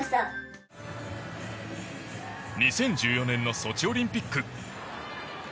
２０１４年のソチオリンピック。